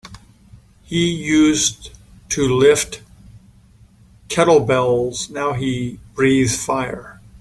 He used to lift kettlebells now he breathes fire.